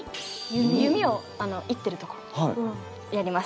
弓を射ってるところやります。